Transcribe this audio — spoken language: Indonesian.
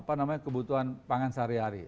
apa namanya kebutuhan pangan sehari hari